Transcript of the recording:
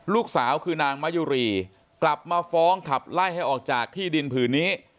ลูกสาวคือนางมะยุรีกลับมาฟ้องขับไล่ให้ออกจากที่ดินผืนนี้